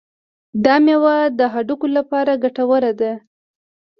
دا میوه د هډوکو لپاره ګټوره ده.